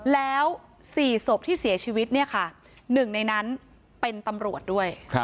แล้ว๔ศพที่เสียชีวิตเนี่ยค่ะหนึ่งในนั้นเป็นตำรวจด้วย